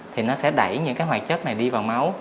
thì nó sẽ đẩy những hoạt chất này đi vào máu